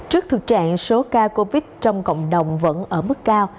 trước thực trạng số ca covid trong cộng đồng vẫn ở mức cao